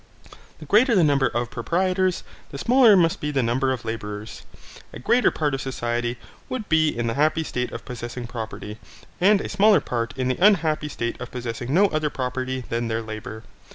The greater the number of proprietors, the smaller must be the number of labourers: a greater part of society would be in the happy state of possessing property: and a smaller part in the unhappy state of possessing no other property than their labour.